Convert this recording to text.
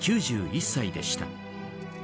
９１歳でした。